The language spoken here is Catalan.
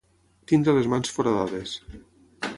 Tenir les mans foradades.